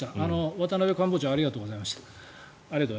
ワタナベ官房長ありがとうございました。